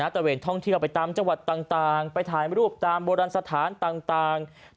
ตะเวนท่องเที่ยวไปตามจังหวัดต่างไปถ่ายรูปตามโบราณสถานต่าง